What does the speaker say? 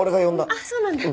あっそうなんだ。